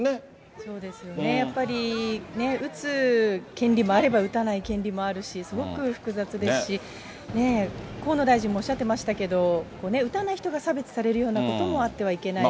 そうですよね、やっぱり、打つ権利もあれば、打たない権利もあるし、すごく複雑ですし、河野大臣もおっしゃっていましたけれども、打たない人が差別されるようなこともあってはいけないし。